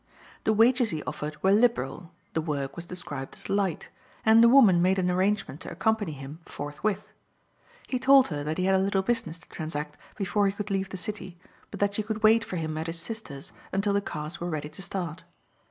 The wages he offered were liberal, the work was described as light, and the woman made an arrangement to accompany him forthwith. He told her that he had a little business to transact before he could leave the city, but that she could wait for him at his sister's until the cars were ready to start.